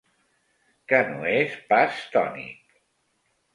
Que no és pas tònic.